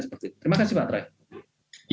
seperti itu terima kasih pak trai